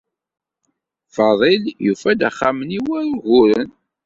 Fadil yufa-d axxam-nni war uguren.